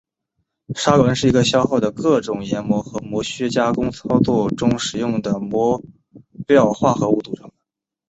砂轮是一个消耗的各种研磨和磨削加工操作中使用的磨料化合物组成的。